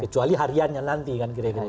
kecuali hariannya nanti kan kira kira